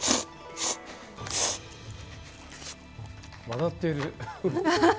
笑ってる。